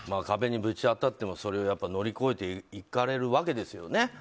壁にぶち当たっても、それを乗り越えていかれるわけですよね。